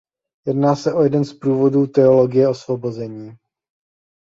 Jedná se o jeden z proudů teologie osvobození.